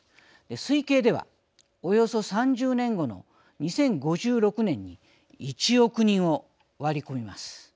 推計ではおよそ３０年後の２０５６年に１億人を割り込みます。